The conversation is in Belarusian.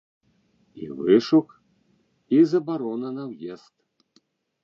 І вышук, і забарона на ўезд.